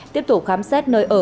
tiếp tục khám xét nơi ở